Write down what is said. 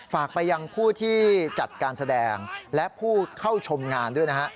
ฝากไปยังผู้ที่จัดการแสดงและผู้เข้าชมงานด้วยนะฮะ